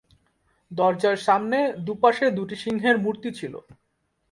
দরজার সামনে দু’পাশে দু’টি সিংহের মূর্তি ছিল।